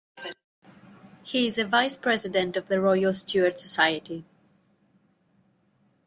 He is a Vice-President of the Royal Stuart Society.